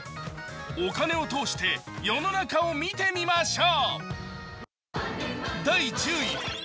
お金を通して世の中を見てみましょう。